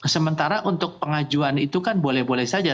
sementara untuk pengajuan itu kan boleh boleh saja